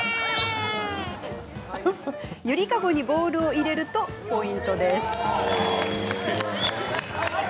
揺りかごにボールを入れるとポイントです。